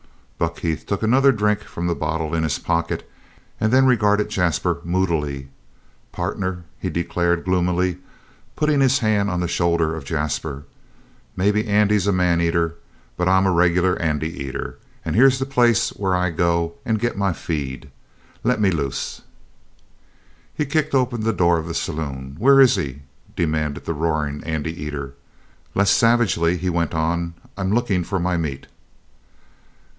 Buck Heath took another drink from the bottle in his pocket, and then regarded Jasper moodily. "Partner," he declared gloomily, putting his hand on the shoulder of Jasper, "maybe Andy's a man eater, but I'm a regular Andy eater, and here's the place where I go and get my feed. Lemme loose!" He kicked open the door of the saloon. "Where is he?" demanded the roaring Andy eater. Less savagely, he went on: "I'm lookin' for my meat!"